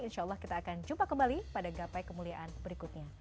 insya allah kita akan jumpa kembali pada gapai kemuliaan berikutnya